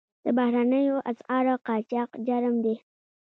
د بهرنیو اسعارو قاچاق جرم دی